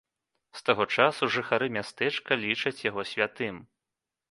З таго часу жыхары мястэчка лічаць яго святым.